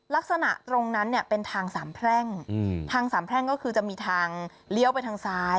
ลักษณะตรงนั้นเนี่ยเป็นทางสามแพร่งทางสามแพร่งก็คือจะมีทางเลี้ยวไปทางซ้าย